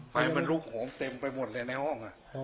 ไฟมันลุกโหมเต็มไปหมดเลยในห้อง